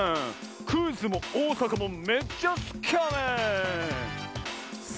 クイズもおおさかもめっちゃすきやねん！